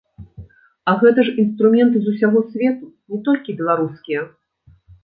А гэта ж інструменты з усяго свету, не толькі беларускія.